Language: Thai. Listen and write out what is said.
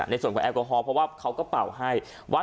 ในส่วนของแอลกอฮอล์เพราะว่าเขาก็เป่าให้ว่า